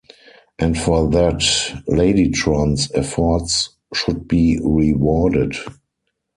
And for that, Ladytron's efforts should be rewarded.